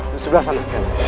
di sebelah sana